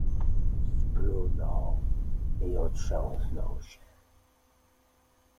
Splunął i otrząsnął się.